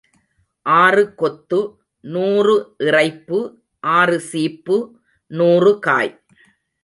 ஆறு கொத்து, நூறு இறைப்பு ஆறு சீப்பு, நூறு காய்.